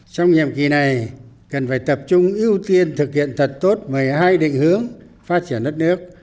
trong nhiệm kỳ này cần phải tập trung ưu tiên thực hiện thật tốt một mươi hai định hướng phát triển đất nước